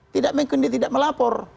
tidak mungkin dia tidak melapor